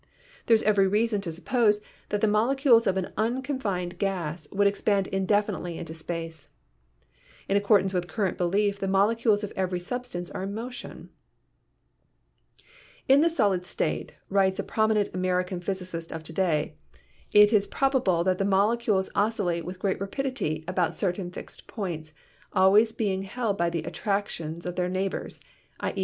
There is every reason to suppose that the molecules of an unconfined gas would THE PROPERTIES OF MATTER 47 expand indefinitely into space. In accordance with current belief the molecules of every substance are in motion. "In the solid state," writes a prominent American phys icist of to day, "it is probable that the molecules oscillate with great rapidity about certain fixed points, always being held by the attractions of their neighbors — i.e.